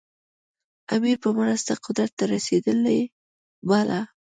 امیر په مرسته قدرت ته رسېدلی باله.